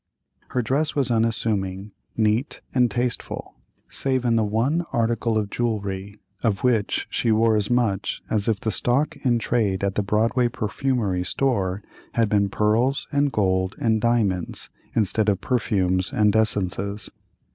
Her dress was unassuming, neat, and tasteful, save in the one article of jewelry, of which she wore as much as if the stock in trade at the Broadway perfumery store had been pearls, and gold, and diamonds, instead of perfumes and essences.